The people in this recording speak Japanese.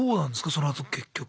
そのあと結局。